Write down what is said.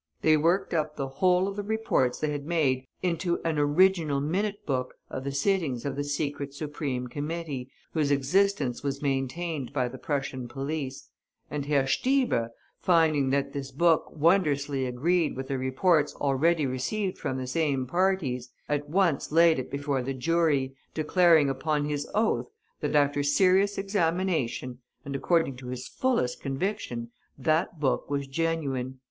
They worked up the whole of the reports they had made into an "original minute book" of the sittings of the Secret Supreme Committee, whose existence was maintained by the Prussian police; and Herr Stieber, finding that this book wondrously agreed with the reports already received from the same parties, at once laid it before the jury, declaring upon his oath that after serious examination, and according to his fullest conviction, that book was genuine.